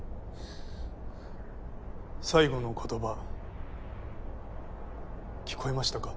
最後の言葉聞こえましたか？